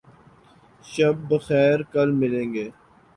شب بخیر. کل ملیں گے